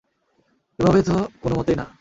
এভাবে তো কোন মতেই না।